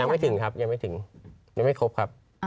ไม่ถึงครับยังไม่ถึงยังไม่ครบครับ